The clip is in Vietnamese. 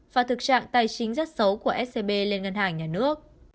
và thực trạng tài chính rất xấu của scb lên ngân hàng nhà nước